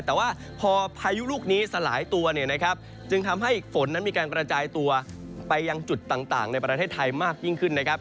แต่ว่าพอพายุลูกนี้สลายตัวเนี่ยนะครับจึงทำให้ฝนนั้นมีการกระจายตัวไปยังจุดต่างในประเทศไทยมากยิ่งขึ้นนะครับ